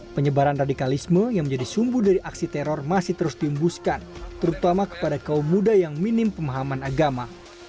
penyebaran radikalisme yang menjadi sumbu dari aksi teror masih terus diembuskan terutama kepada kaum muda yang minim pemahaman agama